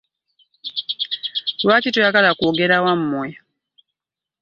Lwaki toyagala kwogera wammwe?